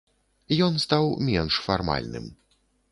Ён стаў менш фармальным.